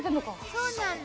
そうなんだ。